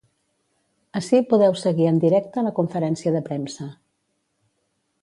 Ací podeu seguir en directe la conferència de premsa.